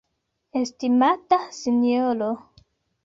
Estimata Sinjoro.